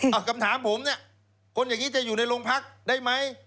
เอาคำถามผมเนี่ยคนอย่างนี้จะอยู่ในโรงพักได้ไหม